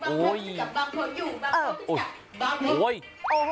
โอ้โห